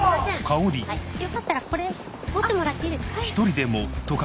よかったらこれ持ってもらっていいですか？